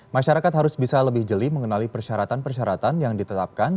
masyarakat harus bisa lebih jeli mengenali persyaratan persyaratan yang ditetapkan